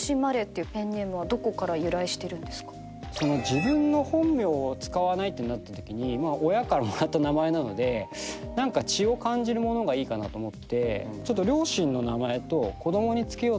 自分の本名を使わないってなったときに親からもらった名前なので何か血を感じるものがいいかなと思ってちょっと。